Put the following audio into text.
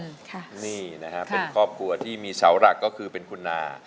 ค่ะนี่นะฮะเป็นครอบครัวที่มีเสาหลักก็คือเป็นคุณนา